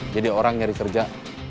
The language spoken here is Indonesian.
jadi orang nyari kerja